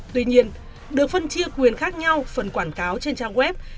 tuy nhiên được phân chia quyền khác nhau phần quảng cáo trên trang web